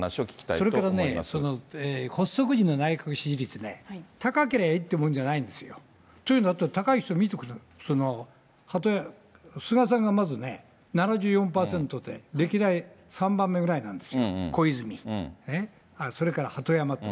それからね、発足時の内閣支持率ね、高ければいいっていうもんじゃないんですよ。というのは、高い人見てくださいよ、その、菅さんがまずね、７４％で、歴代３番目くらいなんですよ、小泉、それから鳩山と。